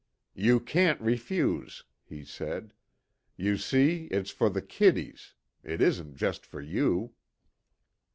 "You can't refuse," he said. "You see, it's for the kiddies. It isn't just for you."